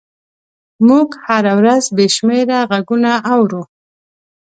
موږ هره ورځ بې شمېره غږونه اورو.